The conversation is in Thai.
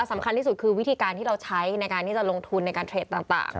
สำคัญที่สุดคือวิธีการที่เราใช้ในการที่จะลงทุนในการเทรดต่าง